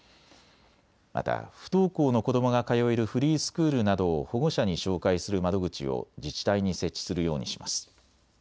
また不登校の子どもが通えるフリースクールなどを保護者に紹介する窓口を自治体に設置するようにします。